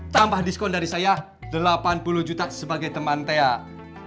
tambah diskon dari saya delapan puluh juta sebagai teman teak